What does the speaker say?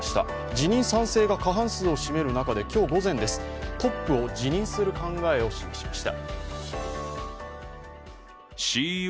辞任賛成が過半数を占める中で今日午前、トップを辞任する考えを示しました。